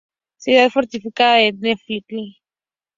Ciudad fortificada de Neftalí.